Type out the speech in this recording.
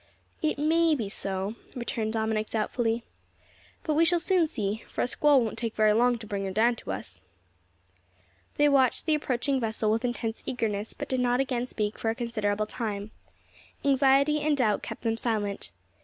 "It may be so," returned Dominick doubtfully. "But we shall soon see, for a squall won't take very long to bring her down to us." They watched the approaching vessel with intense eagerness, but did not again speak for a considerable time. Anxiety and doubt kept them silent.